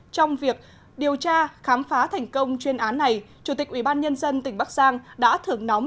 trong việc điều tra khám phá thành công chuyên án này chủ tịch ubnd tỉnh bắc giang đã thưởng nóng